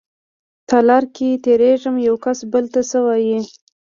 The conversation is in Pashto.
تالار کې تېرېږم يوکس بل ته څه وايي.